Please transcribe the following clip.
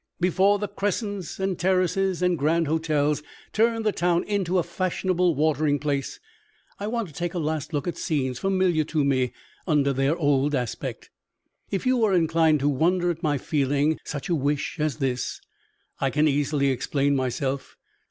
Before the crescents and terraces and grand hotels turn the town into a fashionable watering place, I want to take a last look at scenes familiar to me under their old aspect. If you are inclined to wonder at my feeling such a wish as this, I can easily explain myself.